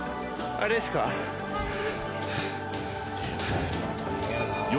あれですね